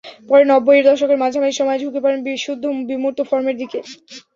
পরে নব্বইয়ের দশকের মাঝামাঝি সময়ে ঝুঁকে পড়েন বিশুদ্ধ বিমূর্ত ফর্মের দিকে।